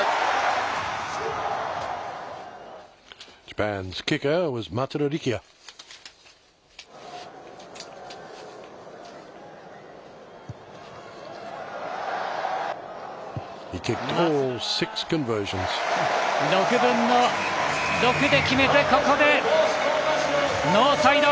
松田は６分の６で決めて、ここでノーサイド。